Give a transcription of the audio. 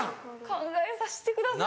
考えさしてください。